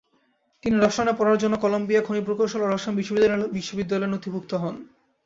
তিনি রসায়নে পড়ার জন্য কলম্বিয়া খনিপ্রকৌশল ও রসায়ন বিশ্ববিদ্যালয়ের নথিভুক্ত হন।